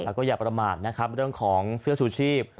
แล้วก็อย่าประมาณเรื่องของเสื้อสู่ชีพ